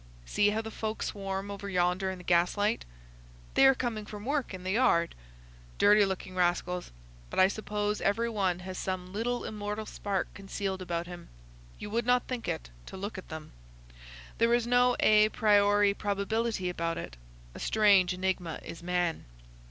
See how the folk swarm over yonder in the gaslight." "They are coming from work in the yard." "Dirty looking rascals, but I suppose every one has some little immortal spark concealed about him. You would not think it, to look at them. There is no a priori probability about it. A strange enigma is man!"